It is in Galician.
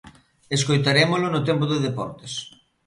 Escoitarémolo no tempo de deportes.